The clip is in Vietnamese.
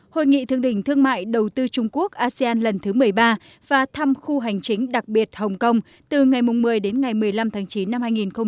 hội nghị thương đỉnh thương mại đầu tư trung quốc asean lần thứ một mươi ba và thăm khu hành chính đặc biệt hồng kông từ ngày một mươi đến ngày một mươi năm tháng chín năm hai nghìn hai mươi